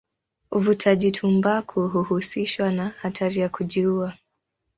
Uvutaji tumbaku huhusishwa na hatari ya kujiua.